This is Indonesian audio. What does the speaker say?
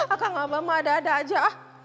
aku ngabam ada ada aja